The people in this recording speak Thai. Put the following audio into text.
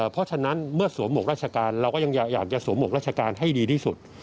เพราะฉะนั้นเมื่อสวมหมวกราชการเราก็ยังอยากจะสวมหวกราชการให้ดีที่สุด